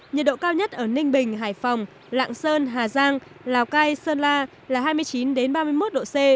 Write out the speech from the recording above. nhiệt độ cao nhất ở ninh bình hải phòng lạng sơn hà giang lào cai sơn la là hai mươi chín ba mươi một độ c